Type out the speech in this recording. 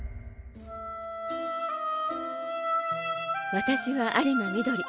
私は有馬みどり。